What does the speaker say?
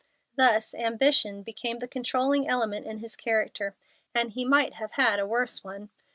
Thus ambition became the controlling element in his character; and he might have had a worse one.